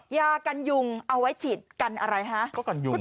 ยากัณฑ์ยูงเอาไว้ฉีดกันอะไรห้ะก็กัณ์ยูงเฮ้ย